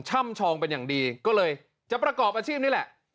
่ำชองเป็นอย่างดีก็เลยจะประกอบอาชีพนี่แหละ